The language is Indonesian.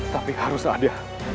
tapi harus ada